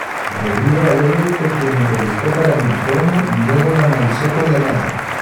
Rodrigo Alegre fue quien entrevistó para el informe y luego lo analizó con Lanata.